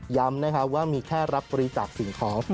ว่ามีแค่รับบริจาคสิ่งของ